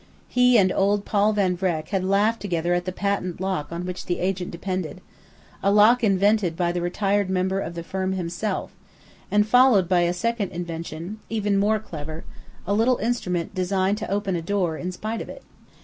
He and old Paul Van Vreck had laughed together at the patent lock on which the agent depended a lock invented by the retired member of the firm himself, and followed by a second invention, even more clever: a little instrument designed to open a door in spite of it.